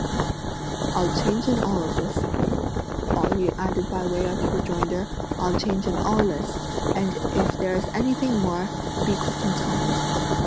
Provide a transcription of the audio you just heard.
"I'll change in all this," Pao yü added by way of rejoinder; "I'll change in all this; and if there's anything more be quick and tell me."